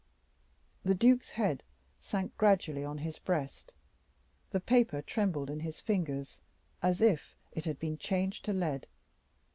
The duke's head sank gradually on his breast; the paper trembled in his fingers, as if it had been changed to lead.